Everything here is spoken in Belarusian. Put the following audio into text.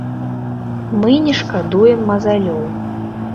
Мы не шкадуем мазалёў.